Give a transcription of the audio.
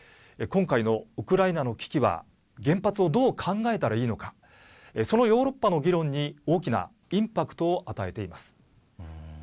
今回のウクライナの危機は原発をどう考えたらいいのかそのヨーロッパの議論に大きなインパクトを与えています。